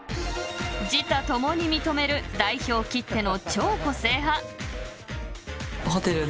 ［自他共に認める代表きっての超個性派］